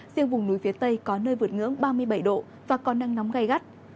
riêng vùng núi phía tây có nơi vượt ngưỡng ba mươi bảy độ và có nắng nóng gây gắt